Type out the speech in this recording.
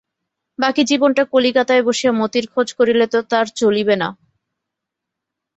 বাকি জীবনটা কলিকাতায় বসিয়া মতির খোঁজ করিলে তো তার চলিবে না।